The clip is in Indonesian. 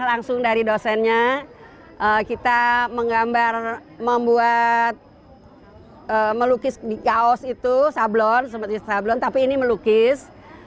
langsung dari dosennya kita menggambar membuat melukis di kaos itu sablon instablon tapi ini melukis